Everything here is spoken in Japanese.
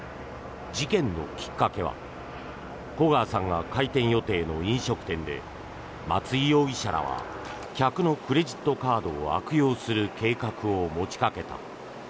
事件のきっかけは古川さんが開店予定の飲食店で松井容疑者らは客のクレジットカードを悪用する計画を持ちかけた。